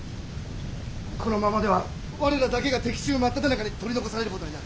このままでは我らだけが敵中真っただ中に取り残されることになる。